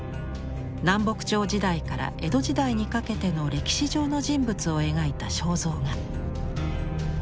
南北朝時代から江戸時代にかけての歴史上の人物を描いた肖像画。